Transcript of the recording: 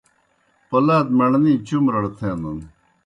پولاد مڑنے چُمرڑ تھینَن۔